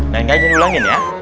dan gak jadi ulangin ya